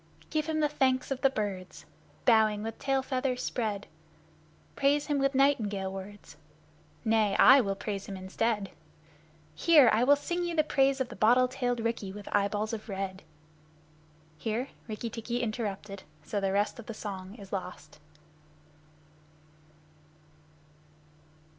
Give him the Thanks of the Birds, Bowing with tail feathers spread! Praise him with nightingale words Nay, I will praise him instead. Hear! I will sing you the praise of the bottle tailed Rikki, with eyeballs of red! (Here Rikki tikki interrupted, and the rest of the song is lost.)